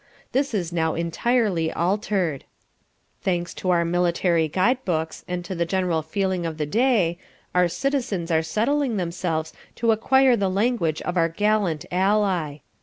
This is now entirely altered. Thanks to our military guide books, and to the general feeling of the day, our citizens are setting themselves to acquire the language of our gallant ally.